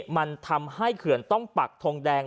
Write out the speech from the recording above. มันทำให้เขื่อนต้องปักทงแดง